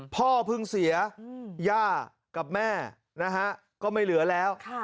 พ่อเพิ่งเสียย่ากับแม่นะฮะก็ไม่เหลือแล้ว